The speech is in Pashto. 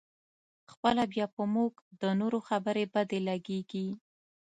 خپله بیا په موږ د نورو خبرې بدې لګېږي.